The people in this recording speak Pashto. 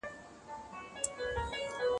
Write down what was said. زه به د سوالونو جواب ورکړی وي!